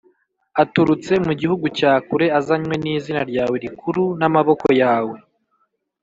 aturutse mu gihugu cya kure, azanywe n’izina ryawe rikuru, n’amaboko yawe